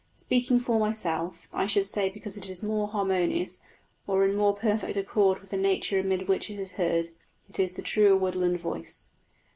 Speaking for myself, I should say because it is more harmonious, or in more perfect accord with the nature amid which it is heard; it is the truer woodland voice.